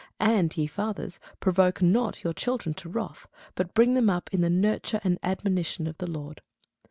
And, ye fathers, provoke not your children to wrath: but bring them up in the nurture and admonition of the Lord.